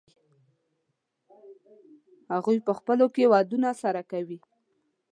هغوی په خپلو کې ودونه سره کوي.